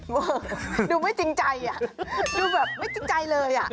เออดูไม่จริงใจดูแบบไม่จริงใจเลยอ่ะ